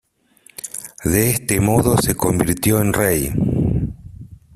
De este modo se convirtió en rey.